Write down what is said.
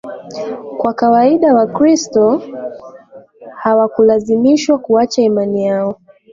Kwa kawaida Wakristo hawakulazimishwa kuacha imani yao